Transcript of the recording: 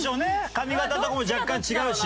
髪形とかも若干違うし。